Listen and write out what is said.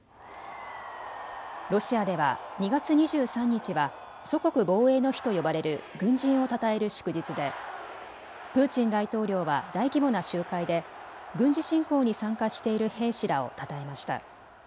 ロシアでは２月２３日は祖国防衛の日と呼ばれる軍人をたたえる祝日でプーチン大統領は大規模な集会で軍事侵攻に参加している兵士らをたたえました。